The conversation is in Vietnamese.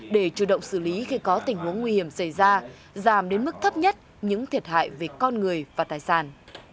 để chủ động xử lý khi có tình huống nguy hiểm xảy ra giảm đến mức thấp nhất những thiệt hại về con người và tài sản